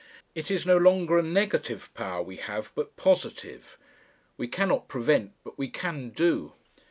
It is no longer a negative power we have, but positive; we cannot prevent, but we can do.